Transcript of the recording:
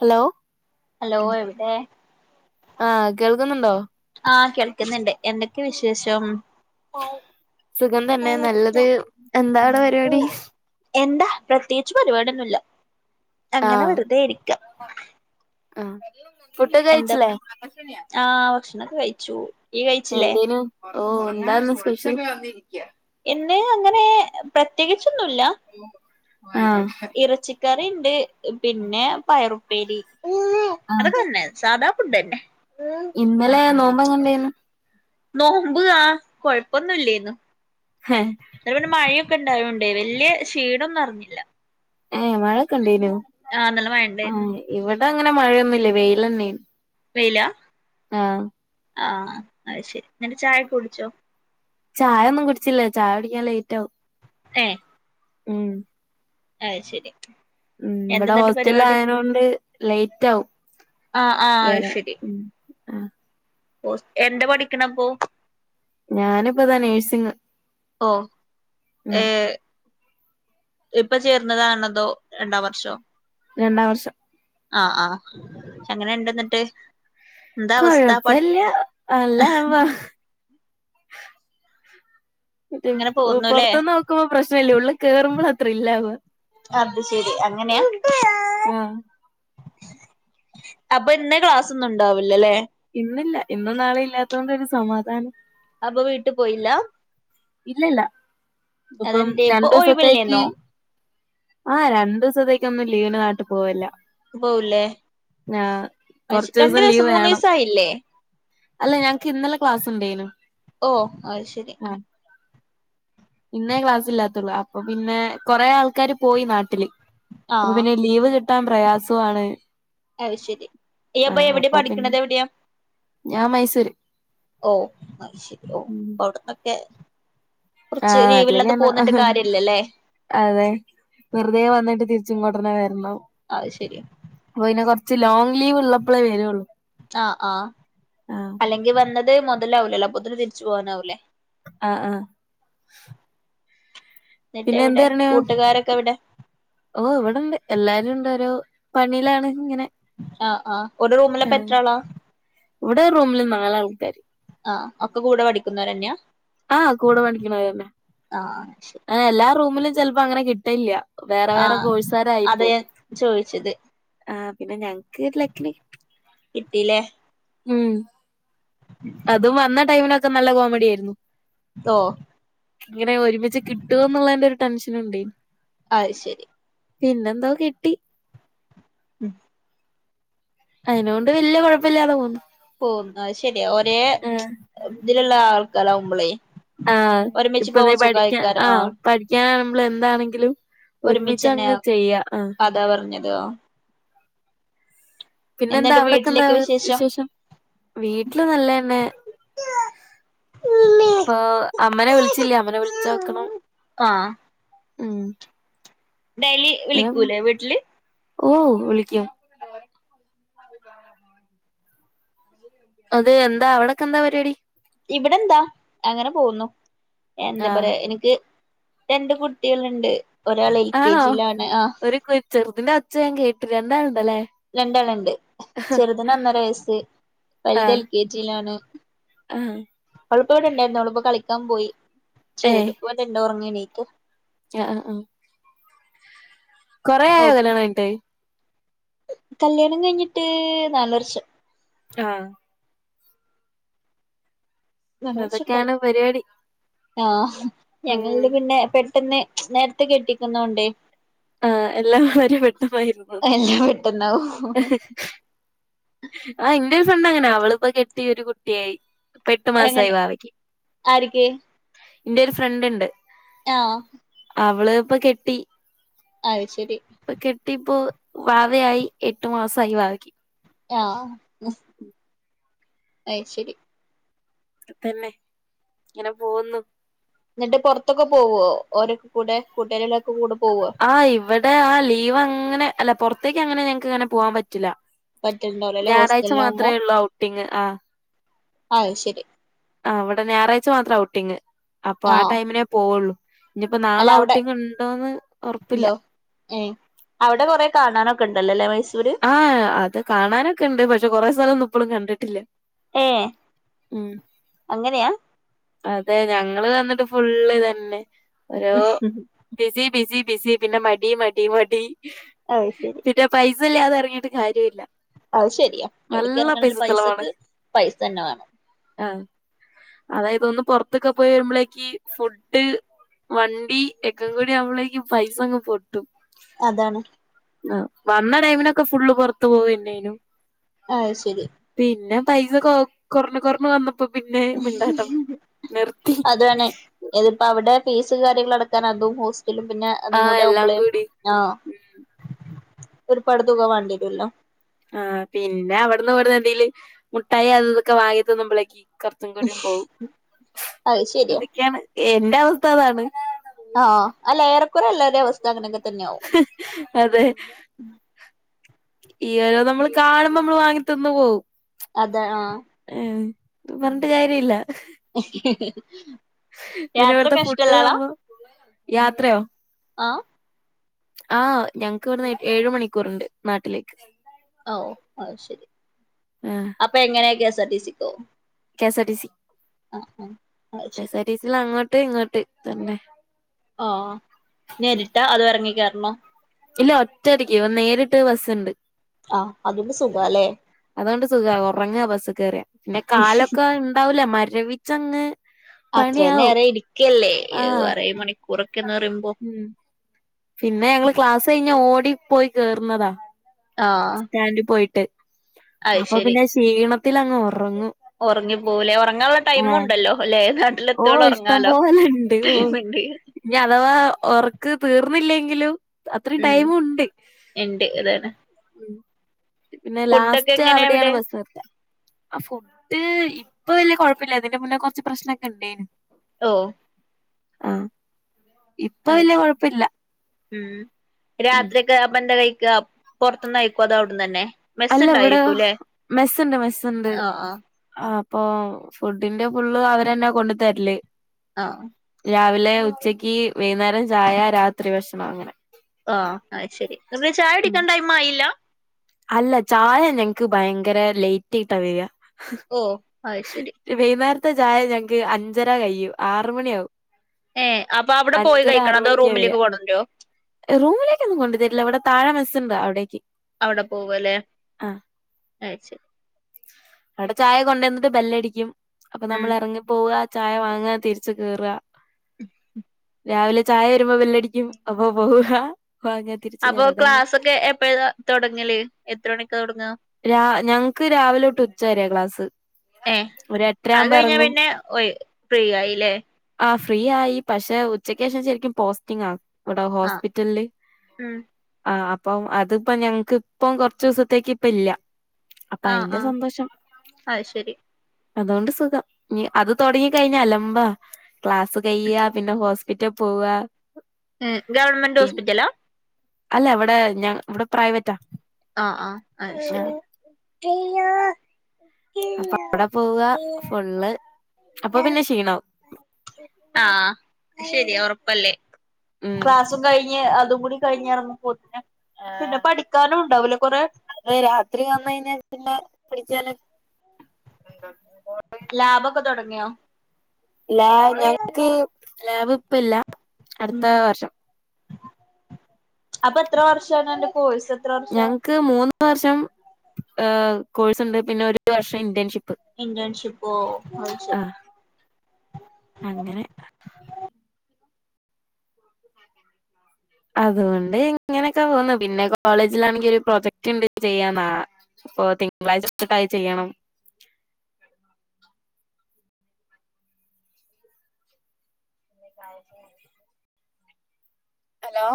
Hello hello എവിടെ ആഹ് കേൾക്കുന്നുണ്ടോ ആ കേൾക്ക്ന്ന്ണ്ട് എന്തൊക്കെ വിശേഷം സുഖം തന്നെ നല്ലത് എന്താ അവടെ പരിപാടി എന്താ പ്രത്യേകിച്ച് പരിപാടിയൊന്നുല്ല അങ്ങനെ വെറുതെ ഇരിക്കാ ആ ഫുഡ്ഡോക്കെ കഴിച്ചില്ലേ ആ ഭക്ഷണൊക്കെ കഴിച്ചു ഇയ്യ് കഴിച്ചില്ലേ എന്തേനും ഓ എന്താന്ന് സ്പെഷ്യൽ ഇന്ന് അങ്ങനെ പ്രത്യേകിച്ചൊന്നുല്ല ആ കറിണ്ട് പിന്നെ പയറുപ്പേരി അതൊക്കെ തന്നെ സാധാ ഫുഡ്ന്നെ ഇന്നലെ നോമ്പ് എങ്ങനെണ്ടേര്ന്ന് നോമ്പ് ആ കൊഴപ്പൊന്നും ഇല്ലേന്നു ഇവിടെ പിന്നെ മഴയൊക്കെ ഇണ്ടായോണ്ടേ വലിയ ക്ഷീണൊന്നും അറിഞ്ഞില്ല ഏ മഴൊക്കെ ഉണ്ടെനോ ആ നല്ല മഴ ണ്ടേരുന്നു അങ്ങനെ മഴയന്നുംല്ല വെയിലെന്നെണ് വെയില ആ ആ അത് ശെരി ന്നിട്ട് ചായൊക്കെ കുടിച്ചോ ചായ ഒന്നും കുടിച്ചല്ല ചായ കുടിക്കാൻ ലേറ്റാകും ഏ ഉം അത് ശെരി ഉം ഇവിടെ ഹോസ്റ്റലില് ആയെനൊണ്ട് ലേറ്റാവും ആ ആ അത് ശെരി അ ഓ എന്താ പഠിക്കണപ്പൊ ഞാനിപ്പതാ നേഴ്സിങ് ഓ ഏ ആഹ് ഇപ്പൊ ചേർന്നതാണതോ രണ്ടാം വർഷോ രണ്ടാം വർഷം ആ ആ എങ്ങനെണ്ട്ന്നിട്ട് എന്താ അവസ്ഥ പ കൊഴപ്പല്ല നല്ല അനുഭവ ഇങ്ങനെ പോന്നുല്ലേ പൊറത്ത്ന്ന് നോക്കുമ്പോ പ്രശ്നല്ല ഉള്ളിൽ കേറുമ്പോളാ ത്രില്ലാവ അത് ശെരി അങ്ങനെയ ആഹ് അപ്പൊ ഇന്ന് ക്ലാസ്സൊന്നും ണ്ടാവൂല്ല ലെ ഇന്നില്ല ഇന്നും നാളെ ഇല്ലാത്തോണ്ട് ഒരു സമാധാന അപ്പൊ വീട്ടിൽ പോയില്ല ഇല്ലല്ല ഇപ്പം അതെന്തെ ഇപ്പൊ രണ്ടു ദിവസത്തേക്ക് ഒഴിവില്ലേന്നോ ആഹ് രണ്ടു ദിവസത്തേക്കൊന്നും ലീവിന് നാട്ട് പോവല്ല പോവൂലേ ആഹ് കൊറച്ച് രണ്ടു ദിവസം ലീവ് മൂന്ന് വേണം ദിവസം ആയില്ലേ അല്ല ഞങ്ങക്ക് ഇന്നലെ ക്ലാസ് ഉണ്ടേനു ഓ ആയ്ശരി ആഹ് ഇന്നേ ക്ലാസ് ഇല്ലാത്തുള്ളൂ അപ്പൊ പിന്നെ കൊറേ ആൾക്കാര് പോയി നാട്ടില് ആ അപ്പൊ പിന്നെ ലീവ് കിട്ടാൻ പ്രയാസമാണ് അയ് ശെരി ഇയ്യ്പ്പ എവിടെയാ പിന്നെ പഠിക്കണത് എവിടെയാ? ഞാൻ മൈസൂര് ഓ അയ്ശരി ഓ അവുടുന്നൊക്കെ ആ [unintelligible] കാര്യല്ലല്ലേ അതെ വെറുതെ വന്നിട്ട് തിരിച് ച്ച് ങ്ങോട്ടെന്നെ വരണം അത് ശെരിയാ അപ്പൊ പിന്നെ കൊറച്ച് ലോങ് ലീവ് ഉള്ളപ്പളേ വരുള്ളൂ ആ ആ ആഹ് അല്ലെങ്കിൽ വന്നത് മൊതലാവൂലല്ലോ അപ്പൊത്തിനു തിരിച്ചു പോകാനാവൂല്ലേ? ആ ആ എന്നിട്ട് പിന്നെ എന്ത് എവിടെ പറയാണോ കൂട്ടുകാരൊക്കെ എവിടെ ഓ ഇവിടെണ്ട് എല്ലാരും ഓരോ പണിയിലാണ് ഇങ്ങനെ ആ ആ ഒരു റൂമിലെ ആഹ് പെറ്റാളാ ഇവിടെ റൂമില് നാലാൾക്കാാര് ആ ഒക്കെ കൂടെ പഠിക്കുന്നവരന്നയാ ആ ആ എല്ലാ റൂമിലും ചെലപ്പോ അങ്ങനെ കിട്ടയില്ല വേറെ വേറെ ആഹ് അതാ കോഴസാരായിപ്പോ ഞാൻ ചോയിച്ചത് ആ പിന്നെ ഞങ്ങക്ക് ലക്കിന് കിട്ടീല്ലേ ഉം അതും വന്ന ടൈമിലൊക്കെ നല്ല കോമഡി ആയിരുന്നു ഓ ഇങ്ങനെ ഒരുമിച്ച് കിട്ടുവന്നുള്ളതിന്റെ ഒരു ടെൻഷനൂണ്ടേയ് അയ് ശരി പിന്നെന്തോ കിട്ടി ഉം അതിനൊണ്ട് വല്യ കുഴപ്പില്ലാതെ പോവുന്നു പോന്ന അത് ശെരിയാ ഒരേ ഇതിലുള്ള ആൾക്കാരാവുമ്പളേ ആ ഒരുമിച്ച് ഇപ്പൊ നീ പോവാൻ പഠിക്കാ സുഖായിക്കാരം ആ ആഹ് പഠിക്കാനാമ്പളും എന്താണെങ്കിലും ഒരുമിച്ച ഒരുമിച്ചന്നെ അങ്ങ് ചെയ്യ ആ അതാ പറഞ്ഞത് ആഹ് പിന്നെന്താ എന്നിട്ട് അവിടെക്കെ എന്താ വീട്ടിലേക്ക് വിശേഷം വീട്ടില് നല്ലതന്നെ ഇപ്പൊ അമ്മനെ വിളിച്ചില്ല അമ്മനെ വിളിച്ചോക്കണം ആഹ് ഉം ഡെലി വിളിക്കൂലേ വീട്ടില് ഓ വിളിക്കും അത് എന്താ അവഡാക്കെ എന്താ പരിപാടി ഇവിടെ എന്താ അങ്ങനെ പോകുന്നു എന്താ ആഹ് പറയാ എനിക്ക് രണ്ട് കുട്ടികളൾണ്ട് ആണോ ഒരു കൊ ചെറുതിന്റെ ഒച്ച ഞാൻ കേട്ടു രണ്ടാ രണ്ടാളുണ്ട് ചെറുതിന് ഒന്നര വയസ്സ് വലുത് എൽ കെ ജിയിലാണ് ആ അവൾപ്പം ഇവിടെണ്ടായിരുന്നു അവളിപ്പോ കളിക്കാൻ പോയി ചെറത് ഇപ്പടെണ്ട ഉറങ്ങണീറ്റ് ആ ആ ആ കൊറെ ആയോ ഓഹ് കല്യാണം കഴിഞ്ഞിട്ട് കല്യാണം കഴിഞ്ഞിട്ട് നാല് വർഷം ആ [unintelligible] അതൊക്കെയാണ് പരിപാടി ആ ഉം ഞങ്ങളിന്ന് പിന്നെ ട്ടെന്ന് നേരത്തെ കെട്ടിക്കുന്നോണ്ടേ ആ എല്ലാം വളരെ പെട്ടമായിരുന്നു എല്ലാം പെട്ടെന്നാവും ആ എന്ത ണ്ടങ്ങനെ അവളിപ്പോ കെട്ടി ഒരു കുട്ടിയായി ഏട്ടു മാസമായി എങ്ങനെ ബാവക്ക് ആര്ക്ക് എന്റെ ഒരു ഫ്രണ്ട് ഉണ്ട് ആഹ അവള് ഇപ്പൊ കെട്ടി ശരി ഇപ്പൊ കെട്ടിപ്പോൊ വാതയായി എട്ടു മാസമായി വായ്ക്ക ആഹ് അയ് ശരി അ തന്നെ ഇങ്ങനെ പോകുന്നു എന്നിട്ട് പുറത്തൊക്കെ പോവോഓരൊക്കെ കൂടെ കൂട്ടേരിലൊക്കെ കൂടു ആ് ഇവിടെ ആ ലീവ് അങ്ങനെ അല്ല പുൊറത്തേക്ക് അങ്ങനെ ഞങ്ങക്ക് അങ്ങനെ പോവാൻ പറ്റില്ല പറ്റുണ്ടാവൂലല്ലേ ഞായറാഴ്ച മാത്രമേ ഉള്ളു ഔട്ടിങ് ആ ആ ശരി ആ ഇവിടെ ഞായറാഴ്ച മാത്രേ ഔട്ടിങ്ങ് അപ്പൊ ആ ആഹ് ടൈമിനേ പോവുള്ളൂ ഇനിയിപ്പോ അല്ല നാളെ അവിടെ ഔട്ടിങ് ഉണ്ടോന്ന് ഒറപ്പില്ല എന്തോ ഏ അവിടെ കൊറെ കാണാനോ ണ്ടല്ലേ ആഹ അത് കാണാനൊക്കെ ഉണ്ട് പക്ഷെ കൊറെേ സ്ഥലം ഒന്നും ഇപ്പഴും കണ്ടിട്ടില്ല ഏ ഉം അങ്ങനെയാ അതെ ഞങ്ങള്ൾ തന്നിട്ട് ഫുള്ള് തന്നെ ഓരോ ബിസി ബിസി ബസി പിന്നെ മടി മടി മടി അ ശരി ഇല്ല അത ഇറങ്ങിട്ട് കാര്യമില്ല അത് ശരിയാ എവിടക്ക നല്ല ഇറങ്ങണ പൈസ ചെലവാണ്. പൈസക്ക് പൈസ തന്നെ വേണം അതായത് ഒന്ന് പുൊറത്തൊക്കെ പോയി വരുമ്പോഴേക്ക് ഫുഡ് വണ്ടി ഒക്കും കൂടി അവളേക്ക് പൈസങ് പൊട്ട അതാണ് വന്ന ടൈമിനൊക്കെ ഫുള്ള് പുറത്ത് പോവന്നേനും ആഹ ശരി പൈസ കുറഞ്ഞു കൊറഞ്ഞു വന്ന അതവണെ ഇതിപ്പ അവിടെ ഫീസ് കാര്യങ്ങള അടക്കാൻ അതും ഹോസ്റ്റലും പിന്നെ അതും ആഹ് കൂടെ എല്ലാം ഒമ്മളയും കൂടി. ആ ഉം. ഒരു പട തുക വേണ്ടിട്ടുംല്ലോ ആഹ പിന്നെ അവിടുന്ന് വരുന്ന എന്തെേല് മുട്ടായി അത് ഇതൊക്കെ വാഗത്തൊന്നും വിളാക്കി കറച്ചൻകടിയും പോവും അത് ശരിയാ അതൊക്കെയാണ് എന്റെ അവസ്ഥ അതാണ് ആഹ് അല്ല യറക്കൂറ എല്ലാ ദദേവസ്ഥഗന അതെ ഈരോ നമ്മൾ കാണുമ്പോ നമ്മള് വാങ്ങിത്തന്ന് പോകവും അതെ ആഹ പറഞ്ഞണ്ട് കാര്യം ഇില്ല ഓക്കെ പിന്നെ ഇവിടുത്തെ ഫുഡ് നോ യാത്രയോ ആഹ ആ ഞങ്ങക്ക് വരുന്ന ഏഴു മണിക്കൂർണ്ട് നാട്ടിലേക്ക് ഓ ശരി ആഹ് അപ്പൊ എങ്ങനെയക്കെ എസ് ആർടി സിക്കോ കേസ ഡ സ ആഹ ആഹ അ ശരി സിയിൽ അങ്ങോട്ട് ഇങ്ങോട്ട് തന്നെ ഓ നേഞരിട്ടാ അത് ഇറങ്ങിക്കരണോ ഇല്ല ഒറ്റടിക്ക് ഇ നേരിട്ട് ബസ്സുണ്ട് ആഹ് അതുകൊണ്ട് സുഖാല്ലേ അതുകൊണ്ട് സുഖ ഉറങ്ങ ബസ് കേറ പിന്നെ കാലൊക്കെ ഉണ്ടാവൂല മരവിച്ചങ്ങ് അത്ര നേര പണിയാവും ഇരിക്കല്ലേ ആഹ് അരേ മണിക്കൂറൊക്കെന്ന് പറയുമ്പോ ഉം പിന്നെ ഞങ്ങള്ൾ ക്ലാസ്സ് കഴിഞ്ഞ ഓടിപ്പോയി കേയറുന്നതാ ആഹ് സ്റ്റാൻഡിൽ പോയിട്ട് അത് അപ്പൊ പിന്നെ ക്ഷീണത്തി അങ്ങ് ഉറങ്ങും ഉറങ്ങി പോലേ ഉറങ്ങാനുള്ള ടൈമ ആഹ് ഉണ്ടല്ലോ അല്ലേ നാട്ടില ഓ എത്തൾ ഇഷ്ടം ഉറങ്ങാലോ പോലെണ്ട് ഓ ടൈമുണ്ട് ഇനി അഥവാ ഉറക്ക് തീർന്നില്ലെങ്കിലും അത്രയും ഉം ടൈമുണ്ട് ഇണ്ട് അതാണ് പിന്നെ ഫുഡൊക്കെ ലാസ്റ്റ് എങ്ങനെ അവിടെയാണ് അവിടെ ബസ് എർത്ത ആ ഫുഡ് ഇപ്പ വലിയഴപ്പില്ലതിന്റെ മുന്നേ കുറച്ച് പ്രശ്നമക്കെണ്ടേന് ഓ ആഹ ഇപ്പൊ അത് വല്ല ശരി കൊഴപ്പില്ല ഉം ഉം രാത്രിയക്കെ ബന്ത കഴിക്കുക പുറത്തുന്നന്ന്ായിക്കോ അത അവിടന്ന് തന്നെ അല്ല ഇവിടെ മെസ്സ്ണ്ടായിരിക്കുംല്ലെ മെസ്സുണ്ട് മെസ്സണ്ട് ആ് ഇപ്പൊ ഫുഡിന്റെ ഫുള്ള് അവരന്നെ കൊണ്ടു തരില്േ ആഹ രാവിലെ ഉച്ചക്ക് വൈകുന്നേരം ചായ രാത്രി ഭക്ഷണം അങ്ങനെ ആഹ ശെരി നിങ്ങ ചായ ഉം അടിക്കാൻ ടൈം ആയില്ല അല്ല ചായ ഞങ്ങക്ക് ഭയങ്കര ലേറ്റ് ആയിട്ടാണ് വരിക ഓ അ ശരി അന്നേരത്തെ ചായ ഞങ്ങൾക്ക് അഞ്ചര കയും ആറ മണിയാകും ഏ അപ്പൊ അവിടെ പോയി കഴിക്കണം അതോ മണിക്കാ വരിക റൂമിലേക്ക് പോണണ്ടോ റൂമിലേക്കൊന്നും കൊു തരില്ല ഇവിടെ തഴെസ്സുണ്ട് അവിടേക്ക് അവിടെ പോവ അല്ലേ ആ അ ശരി അവിടെ ചായ കൊണ്ടുവന്നിട്ട് ബെല്ലടിക്കും അപ്പൊ ഉം നമ്മൾ ഇറങ്ങിപ്പോവുക ചായ വാങ്ങ രിച്ചു കയറ ഉ [unintelligible] രാവിലെ ചായ വരുമ്പോ വെള്ളടിക്കും അപ്പ പോവ അപ്പൊ ക്ലാസ്ൊക്കെ എപ്പഴ തുൊടങ്ങല്േ എത്ര മണിക്കെ തുൊടങ്ങ രാവിലെോട്ട് ഉച്ച ക്ലാസ് ഏ ഒരു അത് എട്ടരയാകുമ്പോ കഴിഞ്ഞ ഇറങ്ങും പിന്നെ പ്രിയായില്ലേ ആ ഫ്രീ ആയി പക്ഷെ ഉച്ചക്ക് ശേഷം ശരിക്കും പോസ്റ്റിംഗ ആ ഇവിടെ ആഹ് ഹോസ്പിറ്റല് ഉം ആ അപ്പം അതിപ്പ ഞങ്ങക്ക് ഇപ്പ കൊറച്ച ദിവസത്തേക്ക് ഇപ്പ ഇല്ല അപ്പൊ ആഹ അയിന്റെ ആഹ സന്തോഷം ആ ശരി അതുകൊണ്ട് സുഖം അത് തുടങ്ങി കഴിഞ്ഞ അലമ്പ ക്ലാസ്സ് കഴ്യാ പിന്നെ ഹോസ് പിറ്റെ പോവ ഉ ഗവൺമെന്റ് ഹോസ്പിറ്റലാ അല്ല അവിടെ ഞാ ഇവിടെ പ്രൈവറ്റാ ആഹ ആ അ ആഹ് ശരി്യ അ അവിടെ പോവ ഫുള്ള് അപ്പൊ പിന്നെ ക്ഷീണവും ആഹ ശരിയയാ അല്ല ഉം ക്ലാസ്സും കഴിഞ് അതും കൂടി കഴിഞ്ഞഞ് ഇറങ്ങ പോത്തി പിന്നെ പഠിക്കാനും ഉണ്ടാവില്ലെ കൊറെ അപ്പ രാത്രി അമ്മല്ല പിടിച്ചാല ലാബൊക്കെ തുടങ്ങിയോ ലാ ഞങ്ങക്ക് ലാഭ് ഇപ്പ ഇല്ല അടുത്ത ഉം വർഷം അപ്പൊ എത്ര വർഷണല്ല പോയിസ എത്ര വർഷ ഞങ്ങക്ക് മൂന്ന് വർഷം കോഴ്സ് ഉണ്ട് പിന്നെ ഒരു വർഷം ഇന്റേൺഷിപ്പ് ഇന്റേൺഷിപ്പോ അത് ശരി ആഹ അങ്ങനെ അതുകൊണ്ട് ഇങ്ങനെയൊക്കെ പോന്നന്ന് പിന്നെ കോളേജിലാണെങ്കിൽ ഒരു പ്രൊജക്റ്റ് ഉണ്ട് ചെയ്യന്നാ അപ്പൊ തിങ്കളാഴ്ച തൊട്ടായി ചെയ്യണം [unintelligible] [unintelligible] ഹലോ